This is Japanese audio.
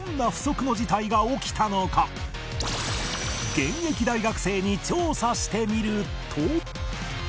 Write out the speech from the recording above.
現役大学生に調査してみると